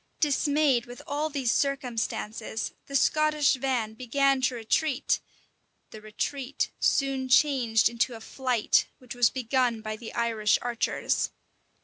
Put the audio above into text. Dismayed with all these circumstances, the Scottish van began to retreat: the retreat soon changed into a flight, which was begun by the Irish archers.